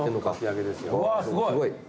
すごい！